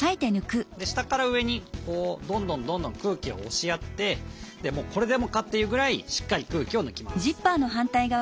下から上にどんどんどんどん空気を押しやってこれでもかっていうぐらいしっかり空気を抜きます。